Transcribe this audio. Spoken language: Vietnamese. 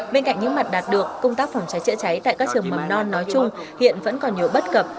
bên cạnh những mặt đạt được công tác phòng cháy chữa cháy tại các trường mầm non nói chung hiện vẫn còn nhiều bất cập